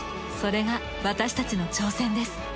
それが私たちの挑戦です。